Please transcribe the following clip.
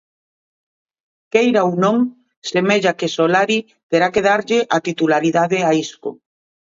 Queira ou non semella que Solari terá que darlle a titularidade a Isco.